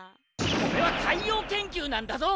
これは海洋研究なんだぞ！